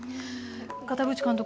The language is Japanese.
片渕監督